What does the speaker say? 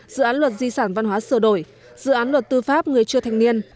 dự án luật di sản văn hóa sửa đổi dự án luật tư pháp người chưa thành niên